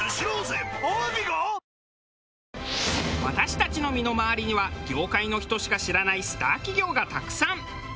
私たちの身の回りには業界の人しか知らないスター企業がたくさん。